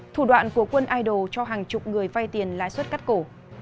thủ đoạn của quân idol cho hàng chục người vay tiền lãi suất cắt cổ